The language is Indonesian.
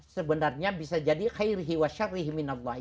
sebenarnya bisa jadi khairi wa syarrihi min allah